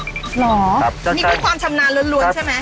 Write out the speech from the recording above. หรอนี่คือความชำนาญล้วนใช่ไหม